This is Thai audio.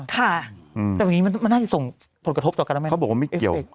แต่แบบนี้มันน่าจะส่งผลกระทบต่อกันหรือไม่